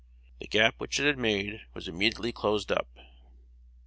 The gap which it made was immediately closed up.